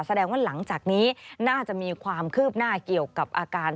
แสดงว่าหลังจากนี้น่าจะมีความคืบหน้าเกี่ยวกับอาการ